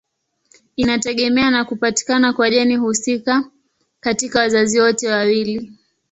Inategemea na kupatikana kwa jeni husika katika wazazi wote wawili.